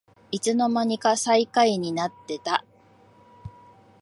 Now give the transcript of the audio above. いつのまにか最下位になってた